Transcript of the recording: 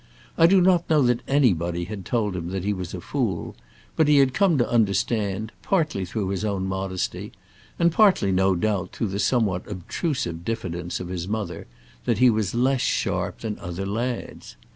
I do not know that anybody had told him that he was a fool; but he had come to understand, partly through his own modesty, and partly, no doubt, through the somewhat obtrusive diffidence of his mother, that he was less sharp than other lads.